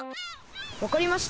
わかりました。